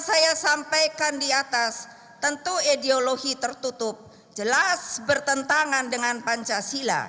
saya sampaikan di atas tentu ideologi tertutup jelas bertentangan dengan pancasila